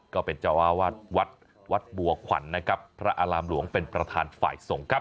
ก็เป็นเจ้าอาวาสวัดวัดบัวขวัญนะครับพระอารามหลวงเป็นประธานฝ่ายส่งครับ